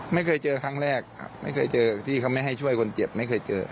ไม่เคยเจอครั้งแรกครับไม่เคยเจอที่เขาไม่ให้ช่วยคนเจ็บไม่เคยเจอ